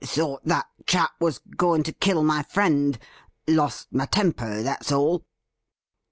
' Thought that chap was going to kill my friend — lost my temper, that's all.'